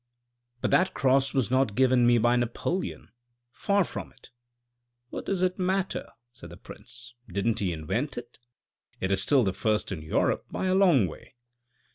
" But that cross was not given me by Napoleon, far from it." "What does it matter?" said the prince, "didn't he invent it. It is still the first in Europe by a long way."